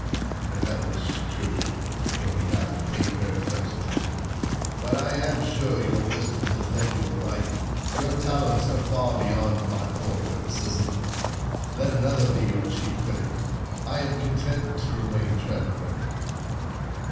(And that was true, for he Another Whopper hadn't paid very close atten tion.) "But I am sure your wisdom has led you aright. Your talents are far beyond No, Thank You 64 The Sultan's Next! my poor criticism. Let another be your Chief Critic; I am content to remain Treasurer."